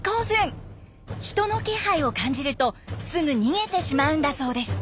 人の気配を感じるとすぐ逃げてしまうんだそうです。